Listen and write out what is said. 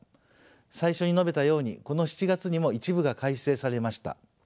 最初に述べたようにこの７月にも一部が改正されました。